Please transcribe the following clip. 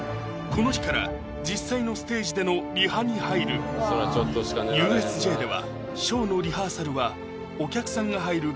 この日から実際のステージでのリハに入るＵＳＪではショーのリハーサルはお客さんが入る